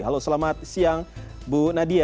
halo selamat siang bu nadia